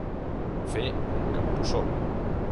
Fer un capbussó.